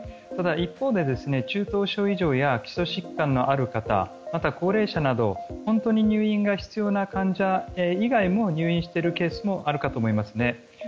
ただ一方で、中等症以上や基礎疾患のある方また、高齢者など本当に入院が必要な患者以外も入院しているケースもあるかと思いますね。